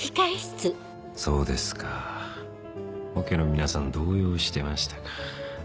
・そうですか・オケの皆さん動揺してましたか。